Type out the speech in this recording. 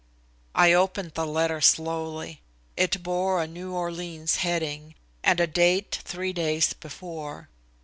I opened the letter slowly. It bore a New Orleans heading, and a date three days before.